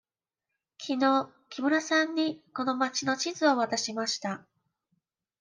きのう木村さんにこの町の地図を渡しました。